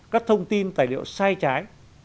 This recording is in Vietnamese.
các thông tin tài liệu sai trái